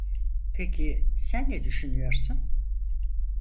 Peki sen ne düşünüyorsun?